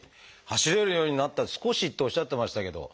走れるようになった少しっておっしゃってましたけど